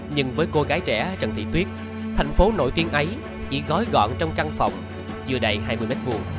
nhưng với cô gái trẻ trần thị tuyết thành phố nổi tiếng ấy chỉ gói gọn trong căn phòng chưa đầy hai mươi m hai